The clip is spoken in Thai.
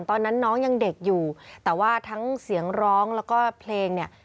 ตอนนั้นน้องยังเด็กอยู่แต่ว่าทั้งเสียงร้องแล้วก็เพลงเนี่ย